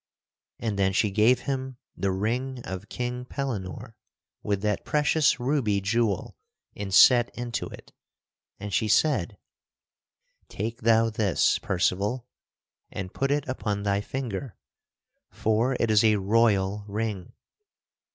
And then she gave him the ring of King Pellinore with that precious ruby jewel inset into it, and she said: "Take thou this, Percival, and put it upon thy finger, for it is a royal ring.